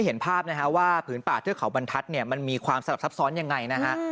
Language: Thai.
เห็นภาพนะฮะว่าผืนป่าเทือกเขาบรรทัศน์เนี่ยมันมีความสลับซับซ้อนยังไงนะฮะ